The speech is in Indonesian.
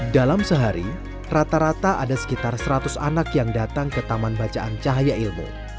dalam sehari rata rata ada sekitar seratus anak yang datang ke taman bacaan cahaya ilmu